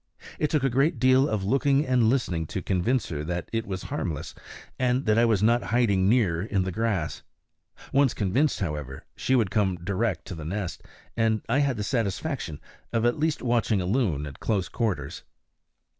It took a great deal of looking and listening to convince her that it was harmless, and that I was not hiding near in the grass. Once convinced, however, she would come direct to the nest; and I had the satisfaction at last of watching a loon at close quarters.